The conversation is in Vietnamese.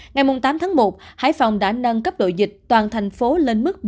ngày tám tháng một hải phòng đã nâng cấp độ dịch toàn thành phố lên mức bốn